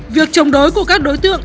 việc chống đối của các đối tượng